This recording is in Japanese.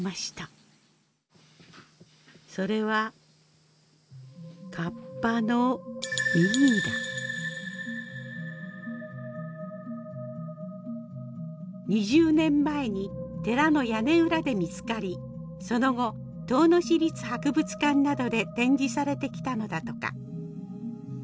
それは２０年前に寺の屋根裏で見つかりその後遠野市立博物館などで展示されてきたのだとか。